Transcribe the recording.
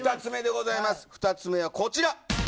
２つ目はこちら。